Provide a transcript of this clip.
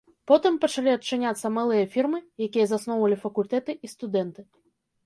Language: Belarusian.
Потым пачалі адчыняцца малыя фірмы, якія засноўвалі факультэты і студэнты.